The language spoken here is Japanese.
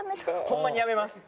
ホンマにやめます。